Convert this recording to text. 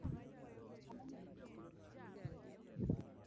Ngama nitie ema thum wero